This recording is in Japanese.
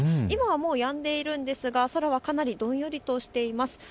今はもうやんでいるんですがかなりどんよりとしています。